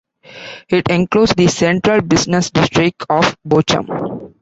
It includes the central business district of Bochum.